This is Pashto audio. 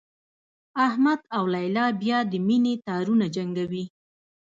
احمد او لیلا بیا د مینې تارونه جنګوي